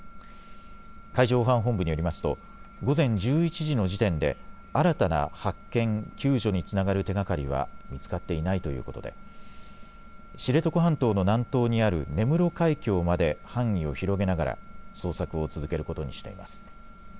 海上保安本部によりますと午前１１時の時点で新たな発見・救助につながる手がかりは見つかっていないということで知床半島の南東にある根室海峡まで範囲を広げながら捜索を続けることにしています。